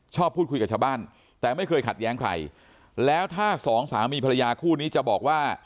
พูดคุยกับชาวบ้านแต่ไม่เคยขัดแย้งใครแล้วถ้าสองสามีภรรยาคู่นี้จะบอกว่า